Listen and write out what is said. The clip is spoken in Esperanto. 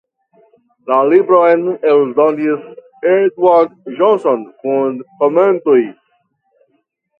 La libron eldonis Eduard Johnson kun komentoj.